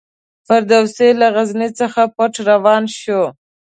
فردوسي له غزني څخه پټ روان شو.